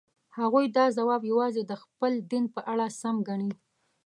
هغوی دا ځواب یوازې د خپل دین په اړه سم ګڼي.